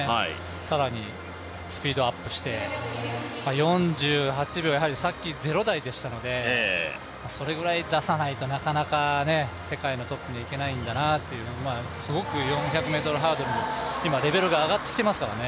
更に、スピードアップして４８秒、さっき０台でしたので、それぐらい出さないとなかなか世界のトップにいけないんだなというすごく４００ｍハードルは今、レベルが上がってきていますからね。